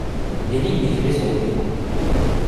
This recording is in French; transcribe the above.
Des lignes défilaient sur les écrans.